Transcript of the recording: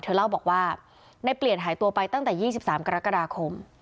เล่าบอกว่าในเปลี่ยนหายตัวไปตั้งแต่๒๓กรกฎาคม